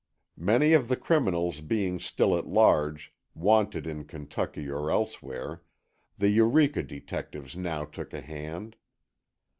Many of the criminals being still at large, wanted in Kentucky or elsewhere, the Eureka detectives now took a hand.